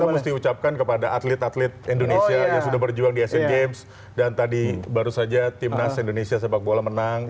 kita mesti ucapkan kepada atlet atlet indonesia yang sudah berjuang di asian games dan tadi baru saja timnas indonesia sepak bola menang